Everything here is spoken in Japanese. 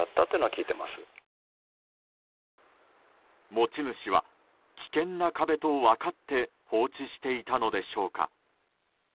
持ち主は危険な壁と分かって放置していたのでしょうか。